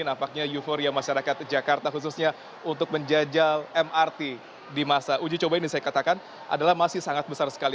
nampaknya euforia masyarakat jakarta khususnya untuk menjajal mrt di masa uji coba ini saya katakan adalah masih sangat besar sekali